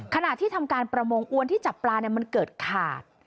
ขณะที่ทำการประมงอวนที่จับปลามันเกิดขาด